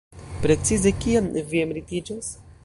Precize kiam vi emeritiĝos?